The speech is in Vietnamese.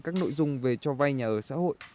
các nội dung về cho vay nhà ở